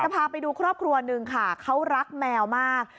พาไปดูครอบครัวหนึ่งค่ะเขารักแมวมาก